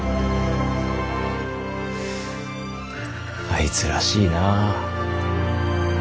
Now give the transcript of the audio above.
あいつらしいな。